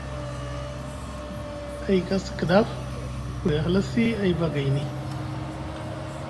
A yikasi Kiɗaf buri a halasi a yiva gayni.